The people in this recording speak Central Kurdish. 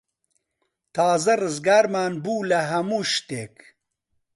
تازە ڕزگارمان بوو لە هەموو شتێک.